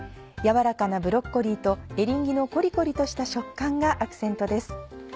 軟らかなブロッコリーとエリンギのコリコリとした食感がアクセントです。